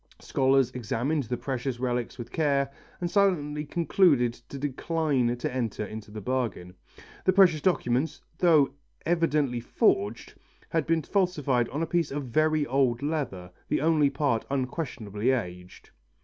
Scholars examined the precious relics with care and silently concluded to decline to enter into the bargain. The precious document, though evidently forged, had been falsified on a piece of very old leather, the only part unquestionably aged.